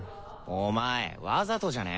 お前わざとじゃね？